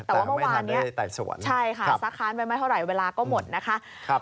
แต่ว่าเมื่อวานนี้ใช่ค่ะซักค้านไว้ไม่เท่าไหร่เวลาก็หมดนะคะ